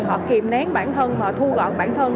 họ kìm nén bản thân họ thu gọn bản thân